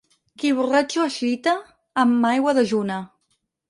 Qui borratxo es gita, amb aigua dejuna.